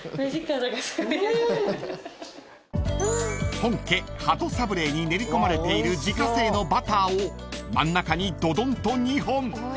［本家鳩サブレーに練り込まれている自家製のバターを真ん中にドドンと２本］